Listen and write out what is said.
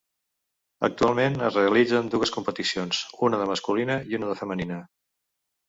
Actualment es realitzen dues competicions, una de masculina i una de femenina.